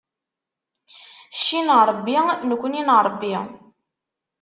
Cci n Ṛebbi, nekni n Ṛebbi.